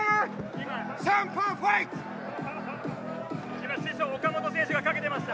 今、岡本選手がかけてました。